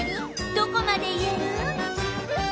どこまで言える？